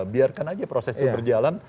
biarkan aja proses itu berjalan